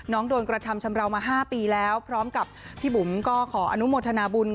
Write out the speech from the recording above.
โดนกระทำชำราวมา๕ปีแล้วพร้อมกับพี่บุ๋มก็ขออนุโมทนาบุญ